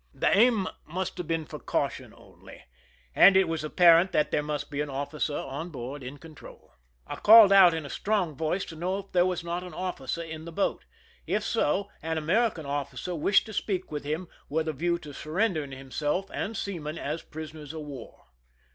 The aim must have been for caution 120 ( THE RUN IN only, and it was apparent that there must be an officer on board in control. I called out in a strong voice to know if there was not an officer in the boat ; if so, an American officer wished to speak with him with a view to surrendering himself and seamen as prisoners of war.